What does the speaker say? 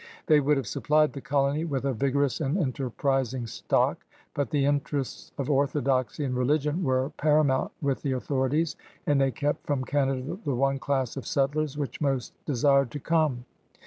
ThQT would have supplied the colony with a vigor ous and enterprising stock. But the interests of orthodoxy in rdigion were paramount with the authorities, and they kept f nxn Canada the one class of settlers which most desired to come.